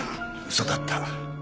嘘だった。